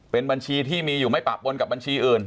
เป็นบัญชีที่มีอยู่ไม่ปะปนกับบัญชีอื่น